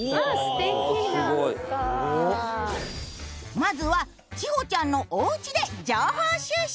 まずは千穂ちゃんのおうちで情報収集。